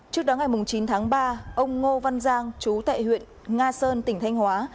trước đó ngày chín tháng ba ông ngô văn giang chú tại huyện nga sơn tỉnh thanh hóa